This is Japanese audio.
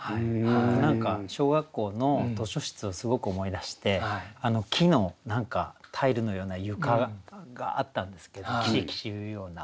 僕何か小学校の図書室をすごく思い出して木のタイルのような床があったんですけどキシキシいうような。